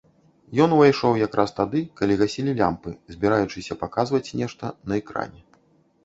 Ён увайшоў якраз тады, калі гасілі лямпы, збіраючыся паказваць нешта на экране.